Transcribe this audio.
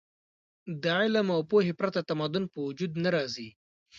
د علم او پوهې پرته تمدن په وجود نه راځي.